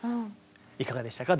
いかがでしたか？